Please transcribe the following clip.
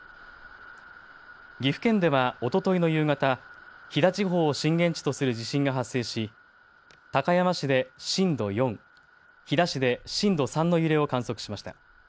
岐阜県ではおとといの夕方、飛騨地方を震源地とする地震が発生し高山市で震度４、飛騨市で震度３の揺れを観測しました。